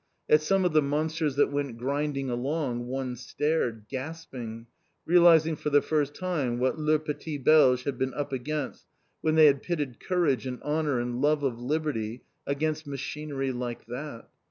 At some of the monsters that went grinding along one stared, gasping, realising for the first time what les petits Belges had been up against when they had pitted courage and honour and love of liberty against machinery like that.